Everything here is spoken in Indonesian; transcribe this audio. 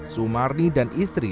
sumarni dan istri